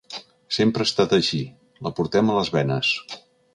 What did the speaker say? Sempre ha estat així, la portem a les venes.